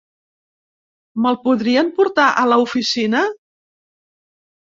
Me'l podrien portar a l'oficina?